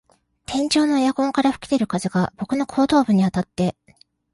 天井のエアコンから吹き出る風が僕の後頭部にあたって、